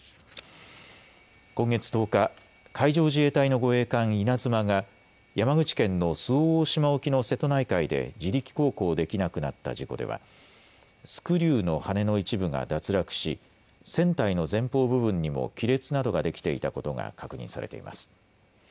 今月１０日、海上自衛隊の護衛艦いなづまが山口県の周防大島沖の瀬戸内海で自力航行できなくなった事故ではスクリューの羽根の一部が脱落し船体の前方部分にも亀裂などができていたことが確認されています。